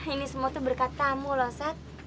ini semua tuh berkat kamu loh sat